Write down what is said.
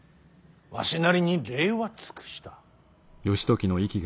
わしなりに礼は尽くした。